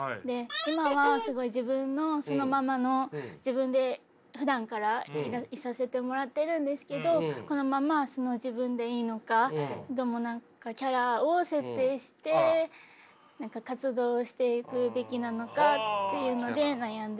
今はすごい自分の素のままの自分でふだんからいさせてもらってるんですけどこのまま素の自分でいいのか何かキャラを設定して活動していくべきなのかっていうので悩んでます。